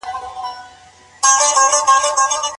ولې ملي سوداګر کرنیز ماشین الات له چین څخه واردوي؟